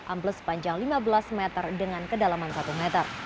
ambles sepanjang lima belas meter dengan kedalaman satu meter